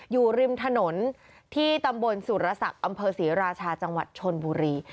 อยู่ริมถนนที่ตำบลสุรศักดิ์อำเภอศรีราชาจังหวัดชนบุรี